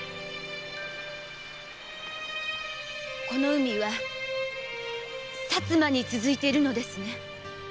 この海は薩摩に続いているのですね。